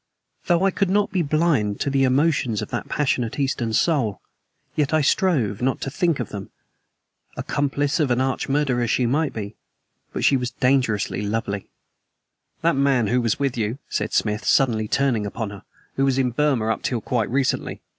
Though I could not be blind to the emotions of that passionate Eastern soul, yet I strove not to think of them. Accomplice of an arch murderer she might be; but she was dangerously lovely. "That man who was with you," said Smith, suddenly turning upon her, "was in Burma up till quite recently.